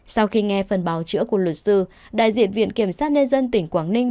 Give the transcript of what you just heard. sau khi nghe phần báo chữa của luật sư đại diện viện kiểm sát nhân dân tỉnh quảng ninh